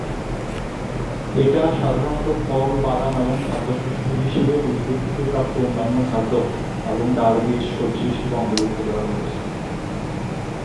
এটা সাধারণত ফল, বাদাম এবং খাদ্যশস্য হিসাবে উদ্ভিদ থেকে প্রাপ্ত অন্যান্য খাদ্য এবং ডাল বীজ সবজি হিসাবে অন্তর্ভুক্ত করা হয়েছে।